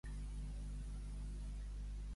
De qui s'encapritxa Vera?